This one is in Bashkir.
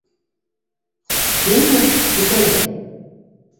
- Һинме, Күкәнәй?!